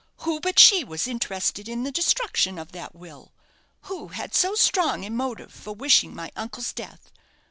"Who but she was interested in the destruction of that will? Who had so strong a motive for wishing my uncle's death?